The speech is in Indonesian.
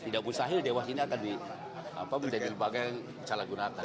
tidak pun sahil dewas ini akan menjadi bagian yang salah gunakan